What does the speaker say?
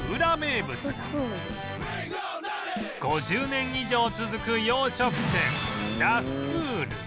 ５０年以上続く洋食店らすぷーる